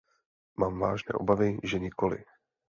Mám vážné obavy, že nikoli.